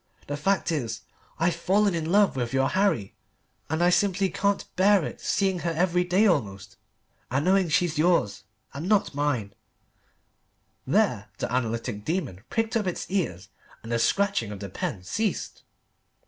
The fact is I've fallen in love with your Harry, and I simply can't bear it seeing her every day almost and knowing she's yours and not mine" (there the analytic demon pricked up its ears and the scratching of the pen ceased).